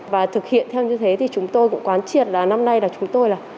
và thực hiện theo như thế thì chúng tôi cũng quán triệt là năm nay là chúng tôi là